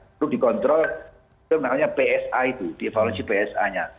itu dikontrol itu namanya psa itu dievaluasi psa nya